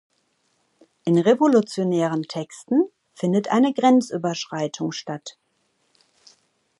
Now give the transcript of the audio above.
In revolutionären Texten findet eine Grenzüberschreitung statt.